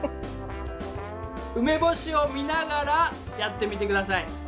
梅干しを見ながらやってみて下さい。